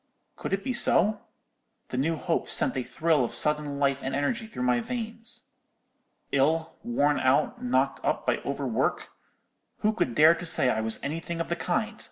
Could it be so? The new hope sent a thrill of sudden life and energy through my veins. Ill—worn out, knocked up by over work? Who could dare to say I was any thing of the kind?